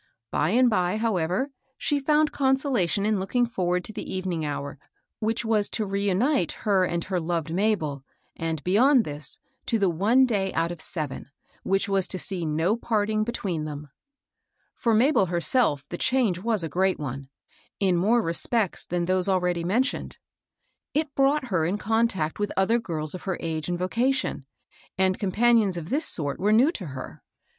By and by, how ever, she found consolation in looking forward to the evening hour which was to reunite her and her loved Mabel, and, beyond this, to the one day out of seven, which was to see no parting between them. BEBTHA GILES. 41 For Mabel herself the change was a great one, in more respects than those abeady mentioned. It brought her in contact with other girls of her age and vocation, and companions of this sort were new to her.